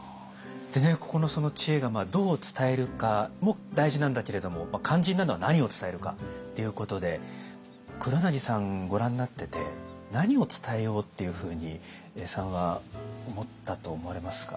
でねここの知恵が「“どう伝えるか”も大事なんだけれども肝心なのは“何を伝えるか”」っていうことで黒柳さんご覧になってて何を伝えようっていうふうに永さんは思ったと思われますか？